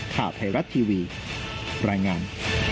ข่าวไทยรัฐทีวีรายงาน